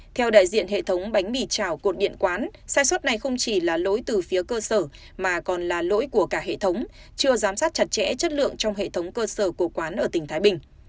theo đại diện hệ thống bánh mì trào cột điện quán sai suất này không chỉ là lỗi từ phía cơ sở mà còn là lỗi của cả hệ thống chưa giám sát chặt chẽ chất lượng trong hệ thống cơ sở của quán ở tỉnh thái bình